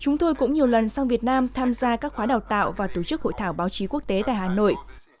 chúng tôi cũng nhiều lần sang việt nam tham gia các khóa đào tạo và tổ chức hội thảo báo chí quốc tế tại hà nội